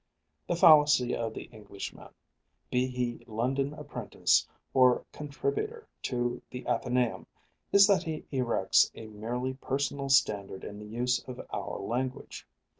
The fallacy of the Englishman, be he London apprentice or contributor to the Athenæum, is that he erects a merely personal standard in the use of our language.